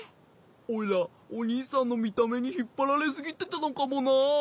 オイラおにいさんのみためにひっぱられすぎてたのかもな。